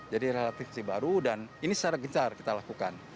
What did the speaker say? jadi relatifisi baru dan ini secara gencar kita lakukan